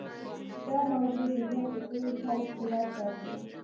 دا موضوع د ژوند په ټولو چارو کې په ياد ساتئ.